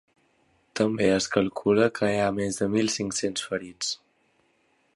També es calcula que hi ha més de mil cinc-cents ferits.